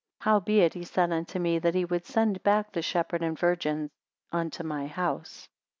31 Howbeit he said unto me, that he would send back the shepherd and virgins unto my house.